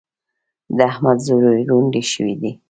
د احمد زوی روندی شوی دی.